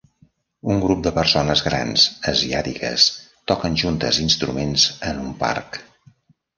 Un grup de persones grans asiàtiques toquen juntes instruments en un parc.